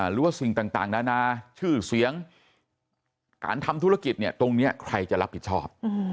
หรือว่าสิ่งต่างนานาชื่อเสียงการทำธุรกิจเนี่ยตรงนี้ใครจะรับผิดชอบ